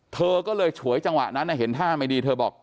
เธอก็เลยฉวยจังหวะนั้นเห็นท่าไม่ดีเธอบอก